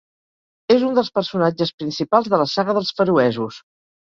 És un dels personatges principals de la Saga dels feroesos.